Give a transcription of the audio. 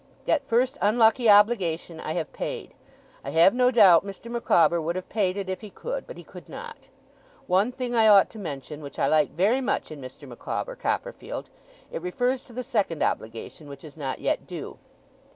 That first unlucky obligation, I have paid. I have no doubt Mr. Micawber would have paid it if he could, but he could not. One thing I ought to mention, which I like very much in Mr. Micawber, Copperfield. It refers to the second obligation, which is not yet due.